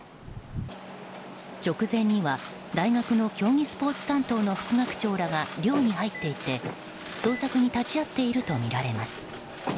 直前には大学の競技スポーツ担当の副学長らが寮に入っていて、捜索に立ち会っているとみられます。